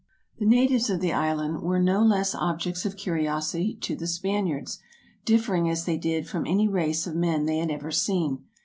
The natives of the island were no less objects of curiosity to the Spaniards, differing, as they did, from any race of men they had ever seen.